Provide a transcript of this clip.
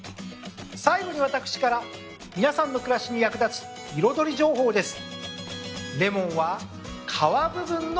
最後に私から皆さんの暮らしに役立つ彩り情報です。